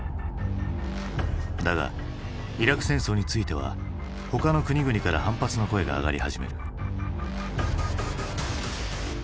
だがイラク戦争については他の国々から反発の声が上がり始める。